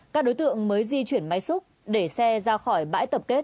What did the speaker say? các đối tượng mới di chuyển máy xúc để xe ra khỏi bãi tập kết